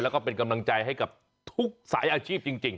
แล้วก็เป็นกำลังใจให้กับทุกสายอาชีพจริง